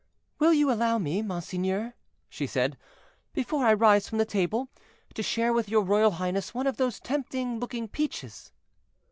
"Will you allow me, monseigneur," she said, "before I rise from the table, to share with your royal highness one of those tempting looking peaches."